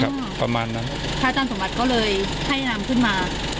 ประมาณนั้นพระอาจารย์สมบัติก็เลยให้นำขึ้นมา